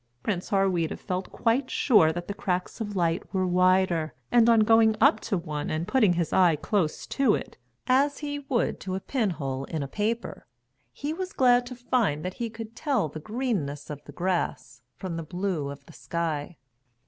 Prince Harweda felt quite sure that the cracks of light were wider, and on going up to one and putting his eye close to it, as he would to a pinhole in a paper, he was glad to find that he could tell the greenness of the grass from the blue of the sky.